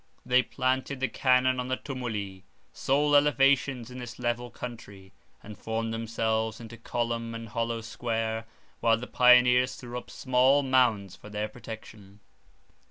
They planted the cannon on the tumuli, sole elevations in this level country, and formed themselves into column and hollow square; while the pioneers threw up small mounds for their protection.